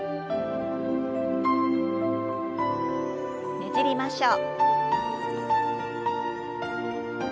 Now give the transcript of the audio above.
ねじりましょう。